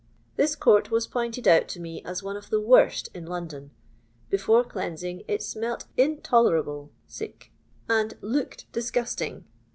This court was pointed out to me as one of the worst in London. Before cleansing it smelt intolerable " [tie] "and looked disgusting.